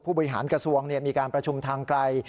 บริหารกระทรวงมีการประชุมทางไกล